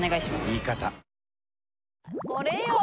言い方。